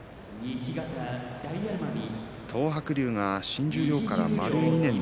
東白龍が新十両から丸２年。